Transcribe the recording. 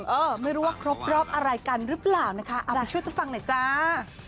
เออไม่รู้ว่าครบรอบอะไรกันหรือเปล่านะคะช่วยไปฟังหน่อยจ้า